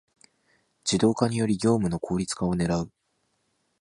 ⅱ 自動化により業務の効率化を狙う